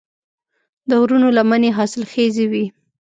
د غرونو لمنې حاصلخیزې وي.